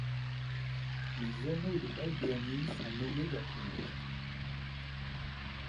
Les anneaux de Balbiani sont nommés d'après lui.